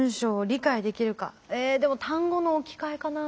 えでも単語の置き換えかな？